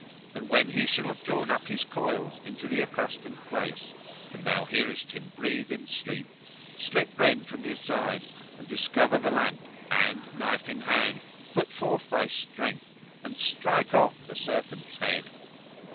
And when he shall have drawn up his coils into the accustomed place, and thou hearest him breathe in sleep, slip then from his side and discover the lamp, and, knife in hand, put forth thy strength, and strike off the serpent's head."